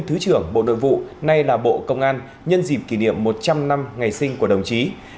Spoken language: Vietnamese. thứ trưởng bộ nội vụ nay là bộ công an nhân dịp kỷ niệm một trăm linh năm ngày sinh của đồng chí